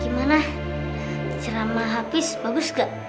gimana cerama hafiz bagus ga